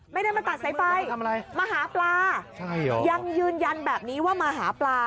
ไม่ได้มาตัดสายไฟมาหาปลายังยืนยันแบบนี้ว่ามาหาปลา